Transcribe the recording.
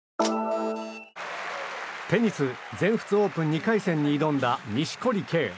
テニス全仏オープン２回戦に挑んだ錦織圭。